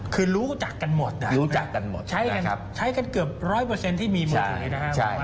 คือรู้จักกันหมดนะใช้กันเกือบร้อยเปอร์เซ็นต์ที่มีมือถือนี้นะครับ